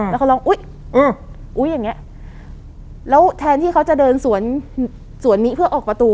แล้วเขาร้องอุ๊ยอุ๊ยอย่างเงี้ยแล้วแทนที่เขาจะเดินสวนสวนนี้เพื่อออกประตู